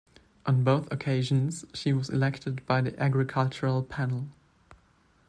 On both occasions she was elected by the Agricultural Panel.